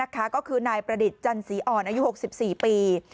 ก็คือนายประดิษฐ์จันสีอ่อนอายุ๖๔ปี